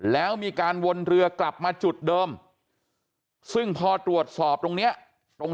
แล้วมีการวนเรือกลับมาจุดเดิมซึ่งพอตรวจสอบตรงนี้ตรง